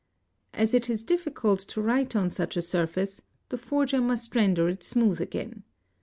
As it is difficult to write on such a surface, the forger must render it smooth again.